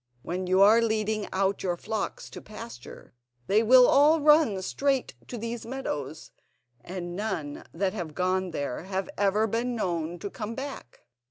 When you are leading out your flocks to pasture, they will all run straight to these meadows, and none that have gone there have ever been known to come back.